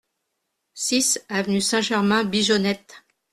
six avenue Saint-Germain Bigeonnette